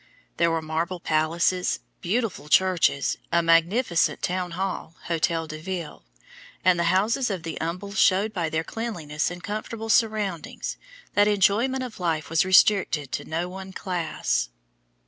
There were marble palaces, beautiful churches, a magnificent town hall (Hotel de Ville); and the houses of the humble showed by their cleanlines and comfortable surroundings that enjoyment of life was restricted to no one class.